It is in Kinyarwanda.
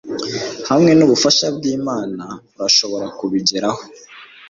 hamwe n'ubufasha bw'imana, urashobora kubigeraho